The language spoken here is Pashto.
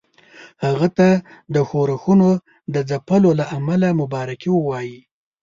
هغه ته د ښورښونو د ځپلو له امله مبارکي ووايي.